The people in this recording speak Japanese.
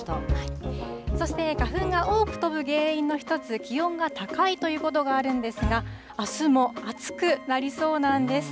そして花粉が多く飛ぶ原因の一つ、気温が高いということがあるんですが、あすも暑くなりそうなんです。